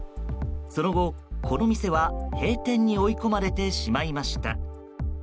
その後、この店は閉店に追い込まれてしまいました。